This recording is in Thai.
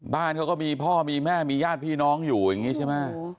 บ้านเขาก็มีพ่อมีแม่มีญาติพี่น้องอยู่อย่างนี้ใช่ไหม